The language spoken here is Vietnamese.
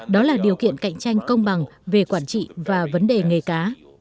đó là điều kiện cạnh tranh công bằng về quản trị và vấn đề nghề cá